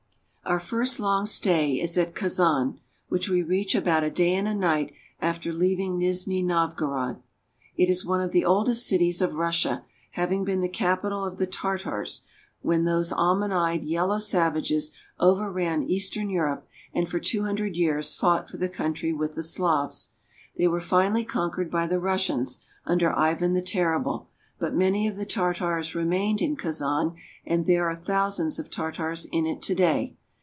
Our first long stay is at Kazan, which we reach about a day and a night after leaving Nizhni Novgorod. It is one DOWN THE VOLGA TO THE CASPIAN SEA. 355 of the oldest cities of Russia, having been the capital of the Tartars when those almond eyed, yellow savages over ran Eastern Europe, and for two hundred years fought for the country with the Slavs. They were finally conquered by the Russians, under Ivan the Terrible, but many of the Tartars remained in Kazan, and there are thousands of Tartars in it to day.